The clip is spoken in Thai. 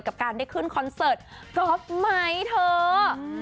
กับการได้ขึ้นคอนเสิร์ตกอล์ฟไหมเธอ